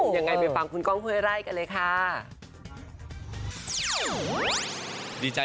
อย่างไรไปฟังคุณก้องเฮ้ยไล่กันเลยค่ะ